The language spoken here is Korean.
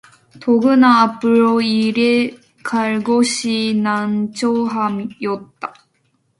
더구나 앞으로 일해 갈 것이 난처하였다.